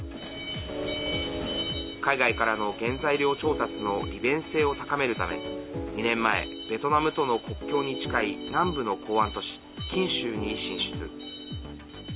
海外からの原材料調達の利便性を高めるため２年前、ベトナムとの国境に近い南部の港湾都市、欽州に進出。